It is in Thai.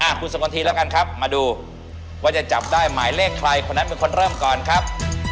คุณสกลทีแล้วกันครับมาดูว่าจะจับได้หมายเลขใครคนนั้นเป็นคนเริ่มก่อนครับ